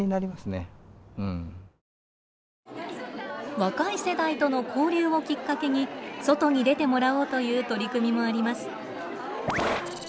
若い世代との交流をきっかけに外に出てもらおうという取り組みもあります。